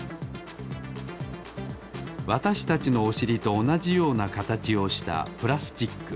わたしたちのおしりとおなじようなかたちをしたプラスチック。